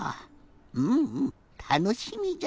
うんうんたのしみじゃ。